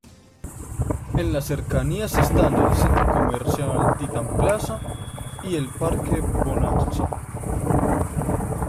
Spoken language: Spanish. En las cercanías están el Centro Comercial Titán Plaza y el Parque Bonanza.